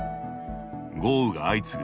豪雨が相次ぐ